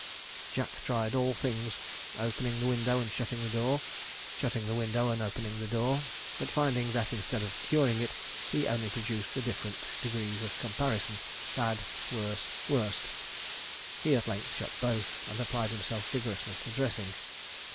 Jack tried all things opening the window and shutting the door, shutting the window and opening the door; but finding that, instead of curing it, he only produced the different degrees of comparison bad, worse, worst he at length shut both, and applied himself vigorously to dressing.